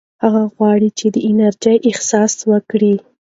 هغه غواړي چې د انرژۍ احساس وکړي.